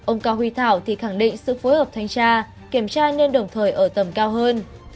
ông cao huy thảo thì khẳng định sự phối hợp thanh tra kiểm tra nên đồng thời ở tầm cao hơn